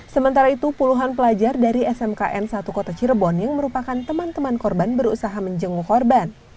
sementara itu puluhan pelajar dari smkn satu kota cirebon yang merupakan teman teman korban berusaha menjenguk korban